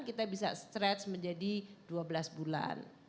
kita bisa stretch menjadi dua belas bulan